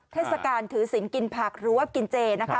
เทศกาลถือสินกินผักหรือว่ากินเจ